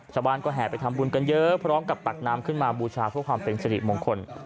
ชาวบ้านก็แห่ไปทำบุญกันเยอะพร้อมกับตักน้ำขึ้นมาบูชาเพื่อความเป็นสิริมงคล